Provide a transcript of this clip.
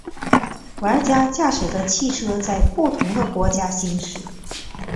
玩家驾驶着汽车在不同的国家行驶。